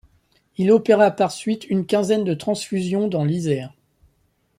Il opéra par suite une quinzaine de transfusions dans l’Isère.